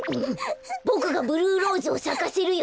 ボクがブルーローズをさかせるよ！